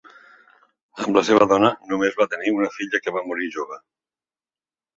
Amb la seva dona només va tenir una filla que va morir jove.